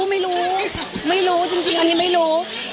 ไม่รู้จริงอันนี้ไม่รู้